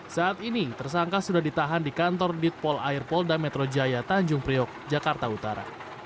saat ini tersangka sudah ditahan di kantor ditpol air polda metro jaya tanjung priok jakarta utara